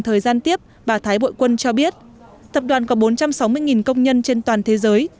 thời gian tiếp bà thái bội quân cho biết tập đoàn có bốn trăm sáu mươi công nhân trên toàn thế giới